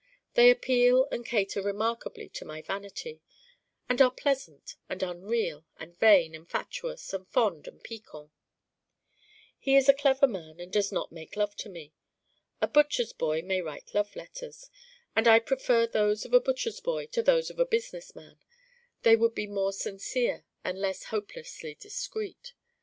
They appeal and cater remarkably to my vanity and are pleasant and unreal and vain and fatuous and fond and piquant. He is a clever man and does not make love to me. A butcher's boy may write love letters and I'd prefer those of a butcher's boy to those of a business man: they would be more sincere and less hopelessly discreet.